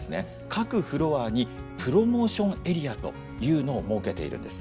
各フロアにプロモーションエリアというのを設けているんです。